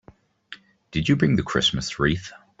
Did you bring the Christmas wreath?